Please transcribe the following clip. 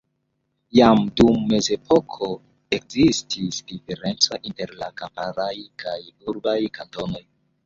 Jam dum Mezepoko ekzistis diferenco inter la kamparaj kaj urbaj kantonoj.